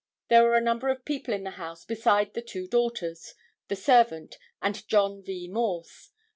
There were a number of people in the house beside the two daughters, the servant and John V. Morse.